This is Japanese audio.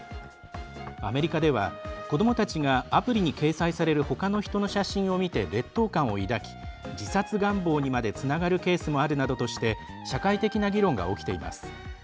アメリカでは、子どもたちがアプリに掲載されるほかの人の写真を見て劣等感を抱き自殺願望にまでつながるケースもあるなどとして社会的な議論が起きています。